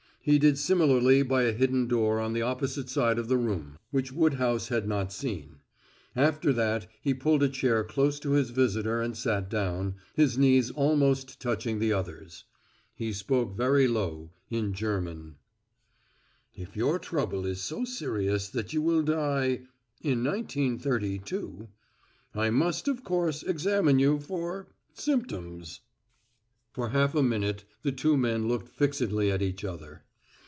He did similarly by a hidden door on the opposite side of the room, which Woodhouse had not seen. After that he pulled a chair close to his visitor and sat down, his knees almost touching the other's. He spoke very low, in German: "If your trouble is so serious that you will die in 1932, I must, of course, examine you for symptoms." For half a minute the two men looked fixedly at each other.